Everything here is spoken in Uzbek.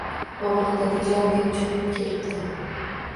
O’g’li, dadajon, deb chopib kelibdi.